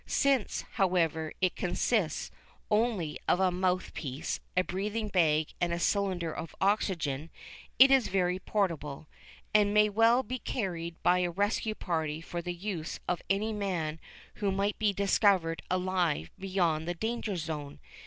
Since, however, it consists only of a mouth piece, a breathing bag and a cylinder of oxygen, it is very portable, and may well be carried by a rescue party for the use of any men who may be discovered alive beyond the danger zone.